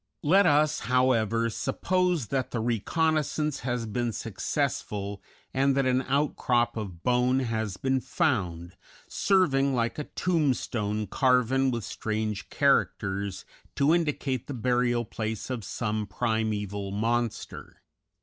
Let us, however, suppose that the reconnaissance has been successful, and that an outcrop of bone has been found, serving like a tombstone carven with strange characters to indicate the burial place of some primeval monster.